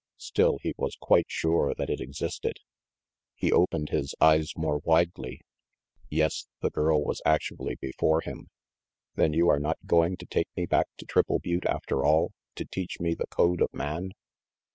Still, he was quite sure that it existed. He opened 388 RANGY PETE his eyes more widely. Yes, the girl was actually before him. "Then you are not going to take me back to Triple Butte after all, to teach me the code of man?"